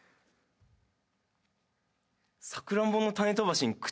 さくらんぼの種飛ばし口